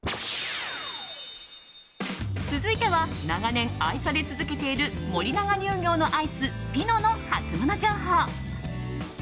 続いては、長年愛され続けている森永乳業のアイスピノのハツモノ情報。